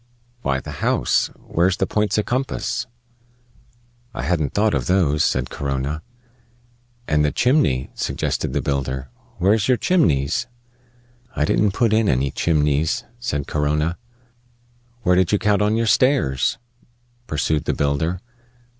"Why, the house. Where's the points o' compass?" "I hadn't thought of those," said Corona. "And the chimney," suggested the builder. "Where's your chimneys?" "I didn't put in any chimneys," said Corona. "Where did you count on your stairs?" pursued the builder.